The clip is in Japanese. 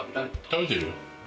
食べてるよ。